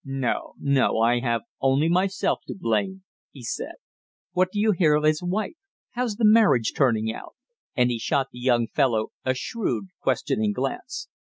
"No, no, I have only myself to blame," he said. "What do you hear of his wife? How's the marriage turning out?" and he shot the young fellow a shrewd questioning glance.